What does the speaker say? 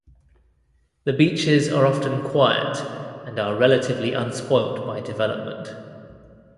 The beaches are often quiet and are relatively unspoilt by development.